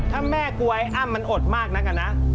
ถ้าแม่กลัวไอ้อ้ำมันอดมากนักอะนะ